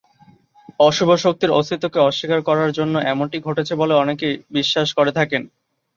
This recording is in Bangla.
অশুভ শক্তির অস্তিত্বকে অস্বীকার করার জন্য এমনটি ঘটেছে বলে অনেকে বিশ্বাস করে থাকেন।